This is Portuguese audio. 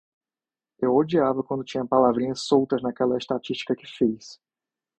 Eu odiava quando tinha palavrinhas soltas naquela estatística que fiz.